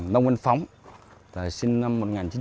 nông văn phóng sinh năm một nghìn chín trăm chín mươi tám